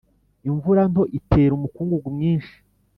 imvura nto itera umukungugu mwinshi.